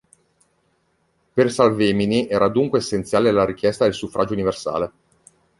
Per Salvemini era dunque essenziale la richiesta del suffragio universale.